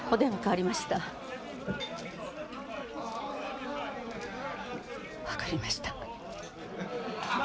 わかりました。